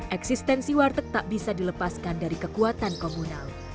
eksistensi warteg tak bisa dilepaskan dari kekuatan komunal